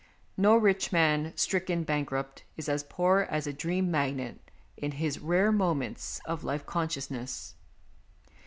No rich man, stricken bankrupt, is as poor as a dream magnate in his rare moments of life consciousness.